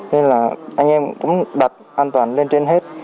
nên là anh em cũng đặt an toàn lên trên hết